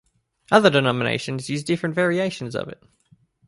Other denominations used different variations of it.